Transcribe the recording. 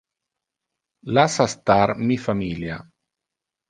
Lassa star mi familia!